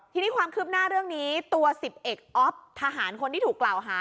ทีนี้ความคืบหน้าเรื่องนี้ตัว๑๐เอกอ๊อฟทหารคนที่ถูกกล่าวหา